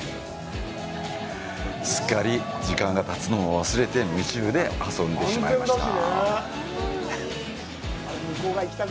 すっかり時間がたつのも忘れて、夢中で遊んでしまいました。